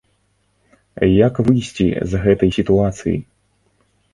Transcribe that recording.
Як выйсці з гэтай сітуацыі?